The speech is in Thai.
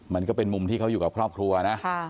มันก็เป็นมุมที่เขาอยู่กับครอบครัวนะ